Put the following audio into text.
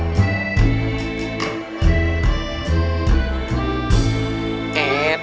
ตอนแรก